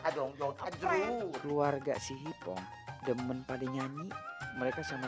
kerja buat membantu orang duit jalalala adong adong keluarga si hipom demen pada nyanyi mereka sama